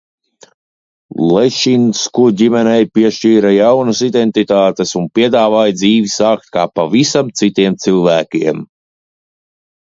Lešinsku ģimenei piešķīra jaunas identitātes un piedāvāja dzīvi sākt kā pavisam citiem cilvēkiem.